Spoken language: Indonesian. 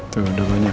tuh udah banyak